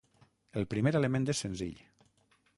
El primer element és senzill.